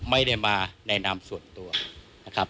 ไม่ได้มาในนามส่วนตัวนะครับ